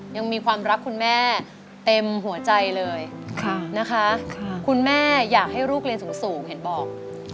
ยังมีความรักคุณแม่เต็มหัวใจเลยนะคะคุณแม่อยากให้ลูกเรียนสูงเห็นบอก